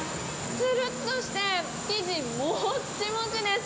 つるっとして、生地、もちもちです。